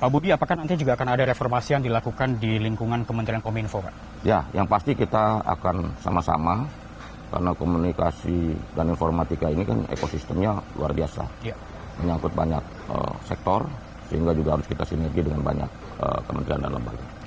pak budi apakah nanti juga akan ada reformasi yang dilakukan di lingkungan kementerian kominfo ya yang pasti kita akan sama sama karena komunikasi dan informatika ini kan ekosistemnya luar biasa menyangkut banyak sektor sehingga juga harus kita sinergi dengan banyak kementerian dan lembaga